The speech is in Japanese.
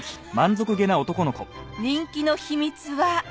人気の秘密は。